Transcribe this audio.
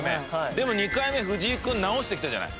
でも２回目藤井君直してきたじゃない。